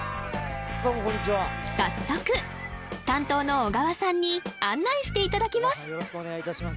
早速担当の小川さんに案内していただきます